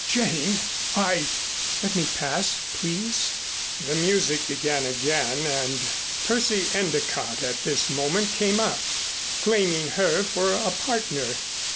"Jane, I " "Let me pass, please." The music began again and Percy Endicott at this moment came up, claiming her for a partner.